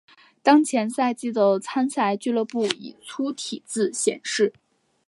当前赛季的参赛俱乐部以粗体字显示。